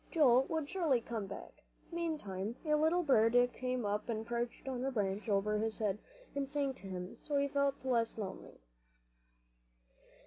Joel would surely come back. Meantime a little bird came up and perched on the branch above his head, and sang to him, so he felt less lonely.